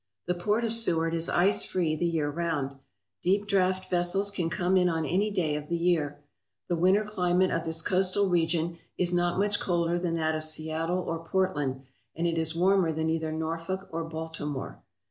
The port of Seward is ice free the year round. Deep draft vessels can come in on any day of the year. The winter climate of this coastal region is not much colder than that of Seattle or Portland, and it is warmer than either Norfolk or Baltimore.